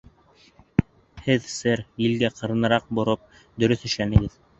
Һеҙ, сэр, елгә ҡырыныраҡ бороп дөрөҫ эшләнегеҙ.